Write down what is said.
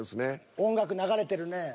音楽流れてるね。